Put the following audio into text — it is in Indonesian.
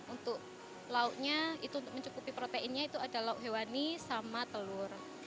untuk lauknya itu untuk mencukupi proteinnya itu ada lauk hewani sama telur